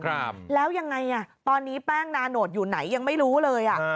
ครับแล้วยังไงอ่ะตอนนี้แป้งนาโนตอยู่ไหนยังไม่รู้เลยอ่ะ